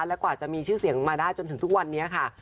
และกว่าจะมีชื่อเสียงมาได้จนถึงทุกวันนี้ค่ะ